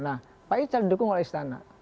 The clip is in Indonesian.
nah pak ical didukung oleh istana